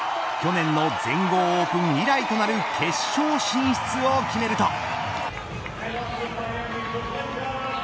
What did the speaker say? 去年の全豪オープン以来となる決勝進出を決めると。